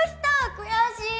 悔しい！